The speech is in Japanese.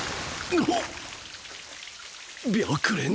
なっ！